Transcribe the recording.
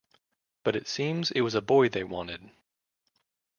But it seems it was a boy they wanted.